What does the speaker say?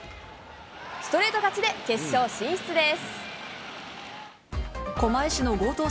ストレート勝ちで決勝進出です。